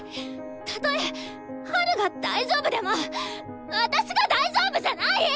たとえハルが大丈夫でも私が大丈夫じゃない！